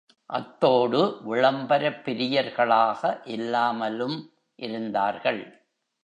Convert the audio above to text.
அத்தோடு, விளம்பரப் பிரியர்களாக இல்லாமலும் இருந்தார்கள்.